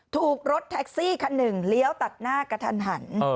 ถูกรถแท็กซี่คันหนึ่งเลี้ยวตัดหน้ากระทันหัน